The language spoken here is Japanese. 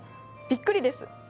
びっくりです。